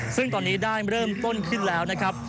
ซึ่งตอนนี้ได้เริ่มต้นขึ้นแล้วนะครับ